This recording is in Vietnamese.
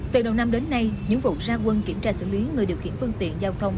từ đầu năm đến nay những vụ ra quân kiểm tra xử lý người điều khiển phương tiện giao thông